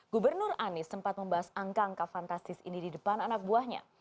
gubernur anies sempat membahas angka angka fantastis ini di depan anak buahnya